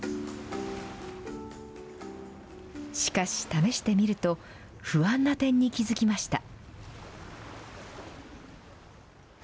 しかし、試してみると不安な点に気付きました。